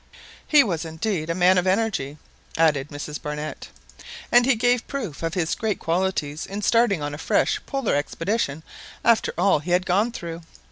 "He was indeed a man of energy," added Mrs Barnett; "and he gave proof of his great qualities in starting on a fresh Polar expedition after all he had gone through."